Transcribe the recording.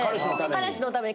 彼氏のために。